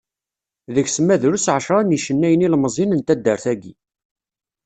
Deg-s ma drus ɛecra n yicennayen ilmeẓyen n taddart-agi.